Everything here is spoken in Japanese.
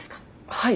はい。